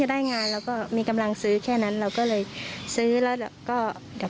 ได้งานเราก็มีกำลังซื้อแค่นั้นเราก็เลยซื้อแล้วก็ดับ